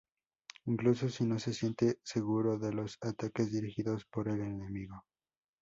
incluso si no se siente seguro de los ataques dirigidos por el enemigo